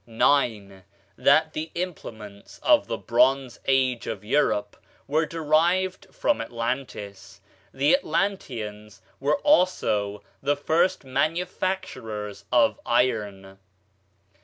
9. That the implements of the "Bronze Age" of Europe were derived from Atlantis. The Atlanteans were also the first manufacturers of iron.